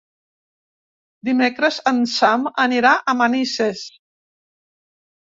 Dimecres en Sam anirà a Manises.